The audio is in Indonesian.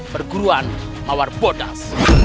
perguruan mawar bodas